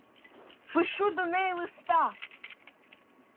Пишу до неї листа!